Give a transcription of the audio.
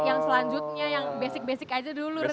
itu yang selanjutnya yang basic basic aja dulu reinhardt